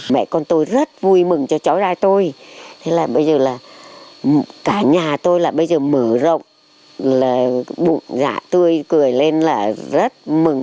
mẹ con tôi rất vui mừng cho chó ra tôi cả nhà tôi là bây giờ mở rộng bụng giả tươi cười lên là rất mừng